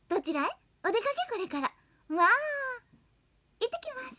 「いってきます。